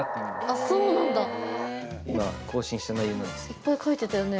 いっぱい書いてたよね。